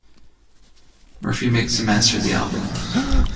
Murphy mixed and mastered the album.